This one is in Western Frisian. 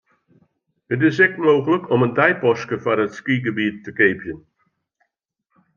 It is ek mooglik om in deipaske foar it skygebiet te keapjen.